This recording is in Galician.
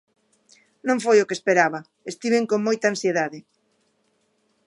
Non foi o que esperaba, estiven con moita ansiedade.